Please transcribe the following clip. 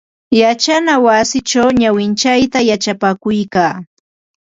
Yachana wasichaw nawintsayta yachapakuykaa.